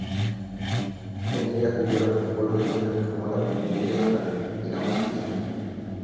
En ella figuran símbolos españoles como la pandereta y la mantilla.